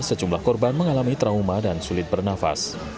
sejumlah korban mengalami trauma dan sulit bernafas